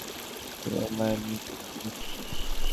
কারণ, রাবী আবু হুরমু নাফিকে ইবন মাঈন মিথুক সাব্যস্ত করেছেন।